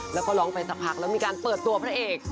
แล้วก็ร้องไปสักพักแล้วมีการเปิดตัวพระเอก